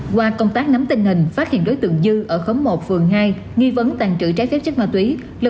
qua công tác nắm tình hình phát hiện đối tượng dư ở khóng một phường hai nghi vấn tàn trữ trái phép chất ma túy